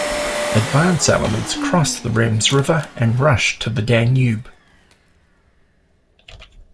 Advance elements crossed the Rems River and rushed to the Danube.